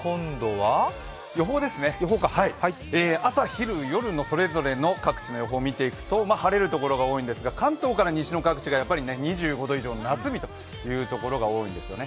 朝・昼・夜のそれぞれの各地の予報を見てみると晴れる所が多いんですが関東から西の各地が２５度以上の夏日というところが多いんですよね。